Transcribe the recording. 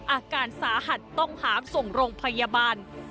อาการสาหัสต้องหามส่งโรงพยาบาล